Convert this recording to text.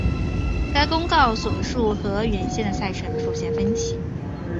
该公告所述和原先的赛程出现分歧。